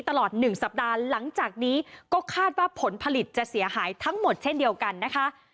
ตลอด๑สัปดาห์หลังจากนี้ก็คาดว่าผลผลิตจะเสียหายทั้งหมดเช่นเดียวกันนะคะ